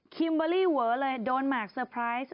คิมเบอร์รี่เวอร์เลยโดนมาร์คเซอร์ไพรส์